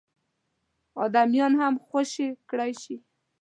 اعدامیان هم خوشي کړای شي.